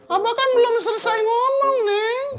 abah kan belum selesai ngomong neng